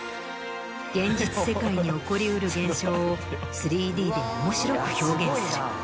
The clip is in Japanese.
現実世界に起こり得る現象を３Ｄで面白く表現する。